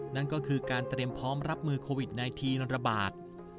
นั่นก็คือการเตรียมพร้อมรับมือโควิด๑๙ระบาด